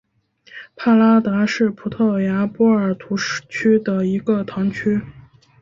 帕拉达是葡萄牙波尔图区的一个堂区。